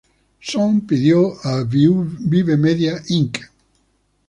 Song pidió a Vibe Media, Inc.